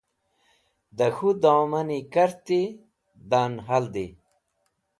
Da k̃hũ domani karti, da’n haldi.